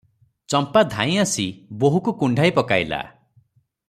ଚମ୍ପା ଧାଇଁଆସି ବୋହୂକୁ କୁଣ୍ଢାଇ ପକାଇଲା ।